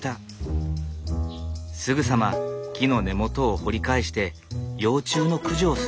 すぐさま木の根元を掘り返して幼虫の駆除をする。